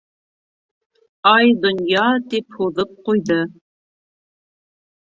Ай, донъя... - тип һуҙып ҡуйҙы.